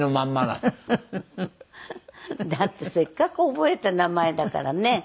だってせっかく覚えた名前だからね。